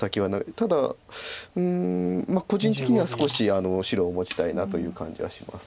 ただ個人的には少し白を持ちたいなという感じはします。